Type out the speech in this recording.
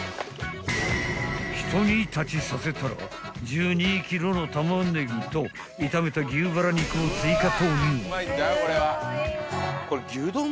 ［一煮立ちさせたら１２ｋｇのタマネギと炒めた牛バラ肉を追加投入］